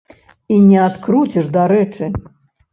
І не адкруціш, дарэчы.